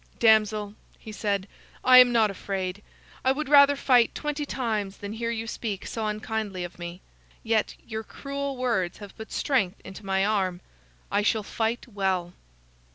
"Damsel," he said, "I am not afraid. I would rather fight twenty times than hear you speak so unkindly of me. Yet your cruel words have put strength into my arm. I shall fight well."